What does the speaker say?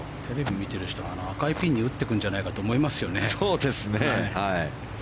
テレビを見ている人は赤いピンに打っていくんじゃないかと思いますよね。